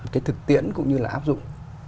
cái thực tiễn cũng như là áp dụng